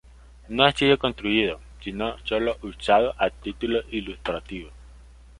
No ha sido construido, sino sólo usado a título ilustrativo.